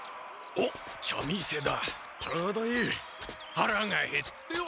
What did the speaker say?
はらがへっては。